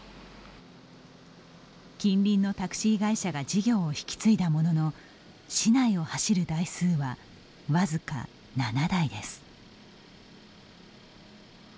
近隣のタクシー会社が事業を引き継いだものの市内を走る台数は僅か７台です。